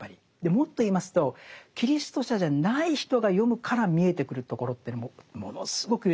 もっと言いますとキリスト者じゃない人が読むから見えてくるところっていうのもものすごく豊かにあると思うんです。